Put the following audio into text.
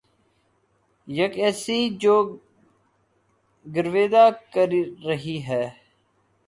یک ایسی جو گرویدہ کر رہی ہے